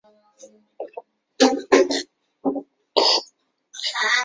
朝鲜宫廷膳食才能延续到今天。